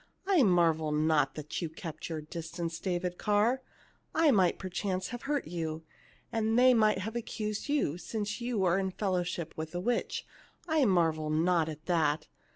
I marvel not that you kept your distance, David Carr ; I might perchance have hurt you, and they might have accused you, since you were in fellowship with a witch. I marvel not at that.